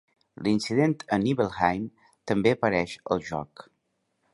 L'incident a Nibelheim també apareix al joc.